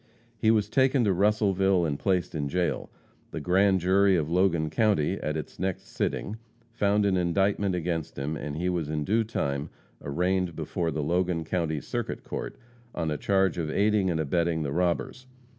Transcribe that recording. He was taken to Russellville and placed in jail. The grand jury of Logan county at its next sitting found an indictment against him, and he was in due time arraigned before the Logan county circuit court on a charge of aiding and abetting the robbers.